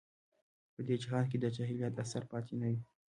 په دې جهان کې د جاهلیت اثر پاتې نه وي.